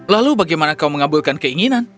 lalu bagaimana kau mengabulkan keinginan